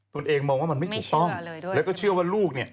ตัวเองมองว่ามันไม่ถูกต้องแล้วก็เชื่อว่าลูกเนี่ยไม่เชื่อเลยด้วย